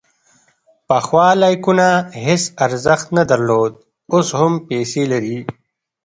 پخوا لایکونه هیڅ ارزښت نه درلود، اوس هم پیسې لري.